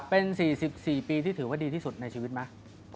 เป็น๔๔ปีที่ถือว่าดีที่สุดในชีวิตไหม